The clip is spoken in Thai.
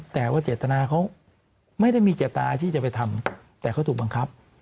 แต่ว่าเจตนาเขาไม่ได้มีเจตนาที่จะไปทำแต่เขาถูกบังคับ